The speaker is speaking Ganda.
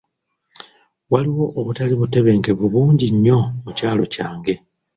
Waliwo obutali butebenkevu bungi nnyo mu kyalo kyange .